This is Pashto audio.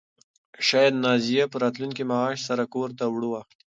شاید نازیه په راتلونکي معاش سره کور ته اوړه واخلي.